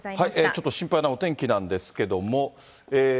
ちょっと心配なお天気なんですけども。